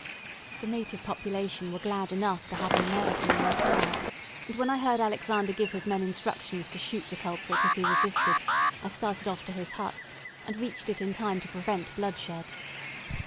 The native population were glad enough to have an American in their power; and when I heard Alexander give his men instructions to shoot the culprit if he resisted, I started off to his hut, and reached it in time to prevent bloodshed.